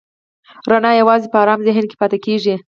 رڼا یواځې په آرام ذهن کې پاتې کېږي.